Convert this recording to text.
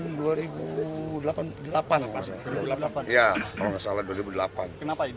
kenapa ini ada penundaan